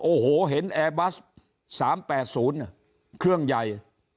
โอ้โหเห็นแอร์บัส๓๘๐เครื่องใหญ่